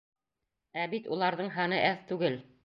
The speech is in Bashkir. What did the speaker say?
Ә бит уларҙың һаны әҙ түгел.